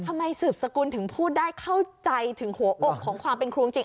สืบสกุลถึงพูดได้เข้าใจถึงหัวอกของความเป็นครูจริง